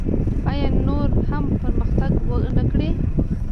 آیا نور هم پرمختګ ونکړي؟